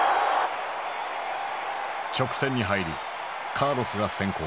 直線に入りカーロスが先行。